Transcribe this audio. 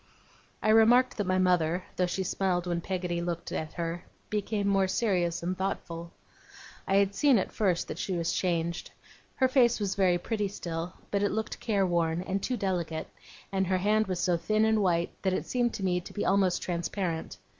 I remarked that my mother, though she smiled when Peggotty looked at her, became more serious and thoughtful. I had seen at first that she was changed. Her face was very pretty still, but it looked careworn, and too delicate; and her hand was so thin and white that it seemed to me to be almost transparent.